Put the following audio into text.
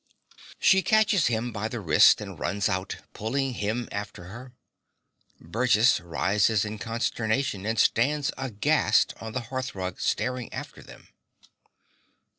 (She catches him by the wrist and runs out, pulling him after her. Burgess rises in consternation, and stands aghast on the hearth rug, staring after them.)